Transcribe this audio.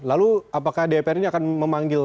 lalu apakah dpr ini akan memanggil